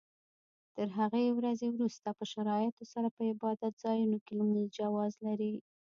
تر هغې ورځې وروسته په شرایطو سره په عبادت ځایونو کې لمونځ جواز لري.